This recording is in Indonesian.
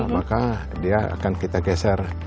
maka dia akan kita geser